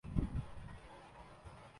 وہ صرف تجربہ کر کی چیز ہے اور بتائی نہیں جاسک